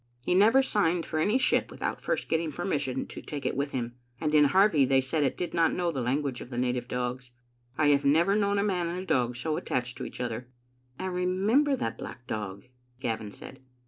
He never signed for any ship without first getting permission to take it with him, and in Harvie they said it did not know the language of the native dogs. I have never known a man and dog so attached to each other." "I remember that black dog," Gavin said.